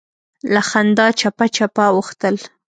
له خندا چپه چپه اوښتل.